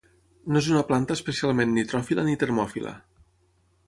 No és una planta especialment nitròfila ni termòfila.